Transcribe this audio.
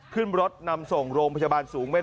ขึ้นรถนำส่งโรงพยาบาลสูงเว่น